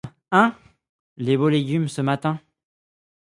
Hein! les beaux légumes, ce matin.